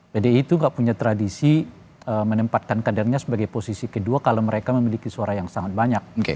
pdi itu gak punya tradisi menempatkan kadernya sebagai posisi kedua kalau mereka memiliki suara yang sangat banyak